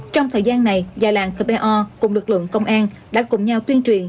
trong thời gian này già làng po cùng lực lượng công an đã cùng nhau tuyên truyền